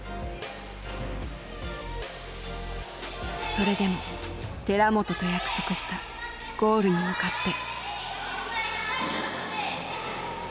それでも寺本と約束したゴールに向かって。